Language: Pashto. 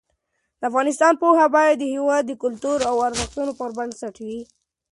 د افغانستان پوهه باید د هېواد د کلتور او ارزښتونو پر بنسټ وي.